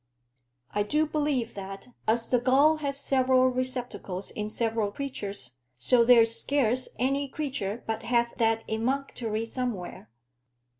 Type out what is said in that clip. I doe believe that, as the gall has severall receptacles in several creatures, soe there's scarce any creature but hath that emunctorye somewhere.